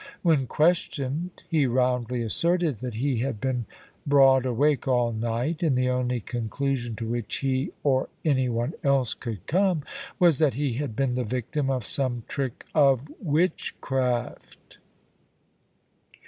When questioned, he roundly asserted that he had been broad awake all night, and the only conclusion to which he or any one else could come, was that he had been the victim of some trick of witchcraft."